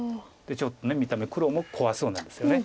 ちょっと見た目黒も怖そうなんですよね。